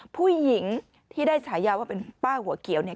ผู้หญิงที่ได้ฉายาว่าเป็นป้าหัวเขียวเนี่ย